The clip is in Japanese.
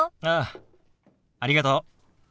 ああありがとう。